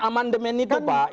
amandemen itu pak